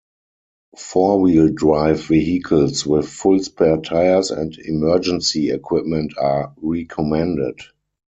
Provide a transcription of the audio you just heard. Four-wheel drive vehicles with full spare tires and emergency equipment are recommended.